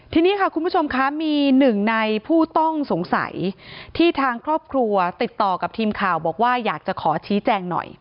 ทีนี้ค่ะคุณผู้ชมคะมีหนึ่งในผู้ต้องสงสัยที่ทางครอบครัวติดต่อกับทีมข่าวบอกว่าอยากจะขอชี้แจงหน่อย